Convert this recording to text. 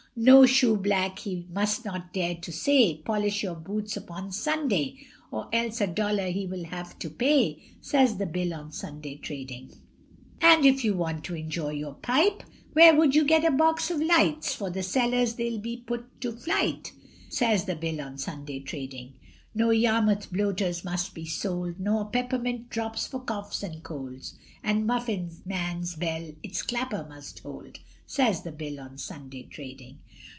No shoeblack, he must not dare to say, Polish your boots upon Sunday, Or else a dollar he will have to pay, Says the Bill on Sunday trading. And if you want to enjoy your pipe, Where would you get a box of lights, For the sellers they will be put to flight, Says the Bill on Sunday trading. No Yarmouth bloaters must be sold, Nor peppermint drops for coughs or colds, And muffin man's bell it's clapper must hold, Says the Bill on Sunday trading.